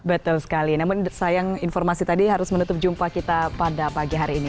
betul sekali namun sayang informasi tadi harus menutup jumpa kita pada pagi hari ini